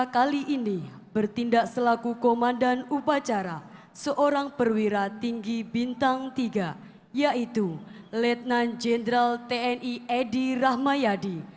kali ini bertindak selaku komandan upacara seorang perwira tinggi bintang tiga yaitu letnan jenderal tni edi rahmayadi